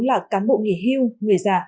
là cán bộ nghề hưu người già